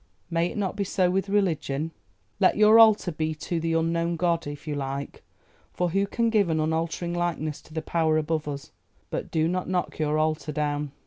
May it not be so with religion? Let your altar be to the 'Unknown God,' if you like—for who can give an unaltering likeness to the Power above us?—but do not knock your altar down.